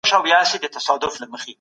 تاسي تل په ارامه ذهن سره ژوند کوئ.